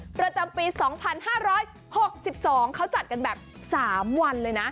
ประจำปี๒๕๖๒เขาจัดกันแบบ๓วันเลยนะ